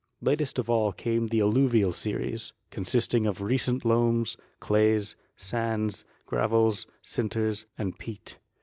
Latest of all came the Alluvial series, con sisting of recent loams, clays, sands, gravels, sinters and peat.